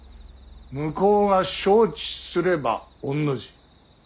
向こうが承知すれば御の字。